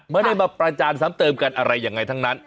ไม่ได้มาประจานซ้ำเติมกันอะไรยังไงทั้งนั้น